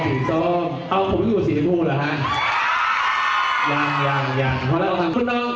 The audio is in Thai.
อ๋อสีส้มเอ้าผมอยู่สีพูหรอฮะยังยังยังพอแล้วเราทำคุณน้อง